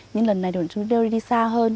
nhưng lần này chúng tôi đều đi xa hơn